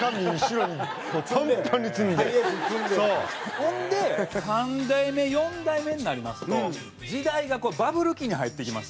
ほんで３代目４代目になりますと時代がこうバブル期に入っていきます。